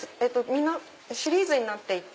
みんなシリーズになっていて。